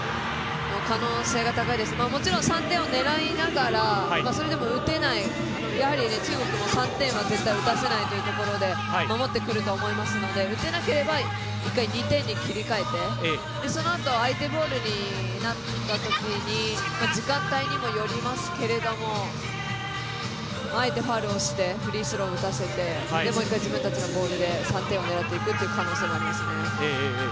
可能性が高いです、もちろん３点を狙いながらそれでも打てない、中国も３点は絶対打たせないということで守ってくると思いますので打てなければ一回２点に切り替えて、そのあと相手ボールになったときに時間帯にもよりますけれども、あえてファウルをしてフリースローを打たせて、もう一回自分たちのボールで３点を狙っていくという可能性もありますね。